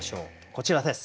こちらです。